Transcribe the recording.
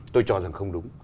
tôi cho rằng không đúng